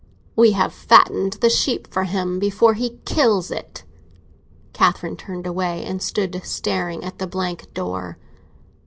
We have fattened the sheep for him before he kills it!" Catherine turned away, and stood staring at the blank door.